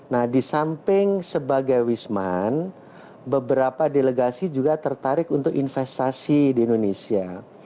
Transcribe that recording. nah di samping sebagai wisman beberapa delegasi juga tertarik untuk investasi di indonesia